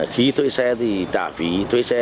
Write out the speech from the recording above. khi thuê xe thì trả phí thuê xe